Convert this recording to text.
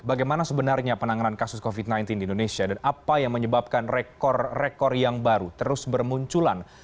bagaimana sebenarnya penanganan kasus covid sembilan belas di indonesia dan apa yang menyebabkan rekor rekor yang baru terus bermunculan